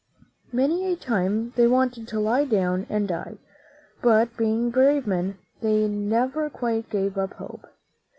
Many a time they wanted to lie down and die ; but, being brave men, they never quite gave up hope.